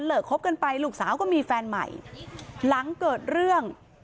คบกันไปลูกสาวก็มีแฟนใหม่หลังเกิดเรื่อง